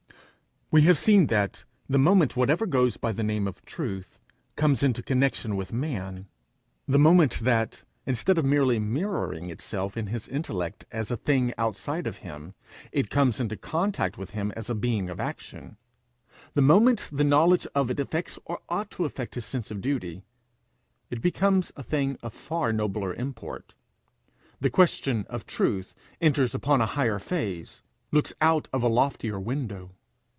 We have seen that the moment whatever goes by the name of truth comes into connection with man; the moment that, instead of merely mirroring itself in his intellect as a thing outside of him, it comes into contact with him as a being of action; the moment the knowledge of it affects or ought to affect his sense of duty, it becomes a thing of far nobler import; the question of truth enters upon a higher phase, looks out of a loftier window.